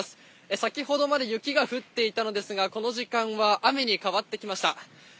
先ほどまで雪が降っていたのですが、この時間は雨に変わってきました。